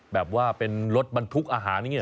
แบบว่าเป็นรถบรรทุกอาหารเงี้ย